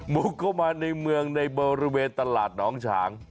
บุกเข้ามาในเมืองในบริเวณตลาดน้องฉาง